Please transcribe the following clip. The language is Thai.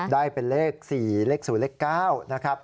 ได้เป็นเลข๔เลข๐เลข๙